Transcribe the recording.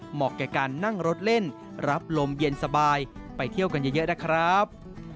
เหมาะแก่การนั่งรถเล่นรับลมเย็นสบายไปเที่ยวกันเยอะนะครับ